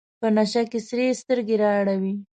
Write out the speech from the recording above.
په نشه کې سرې سترګې رااړوي.